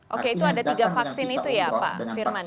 oke itu ada tiga vaksin itu ya pak firman